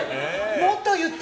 もっと言って！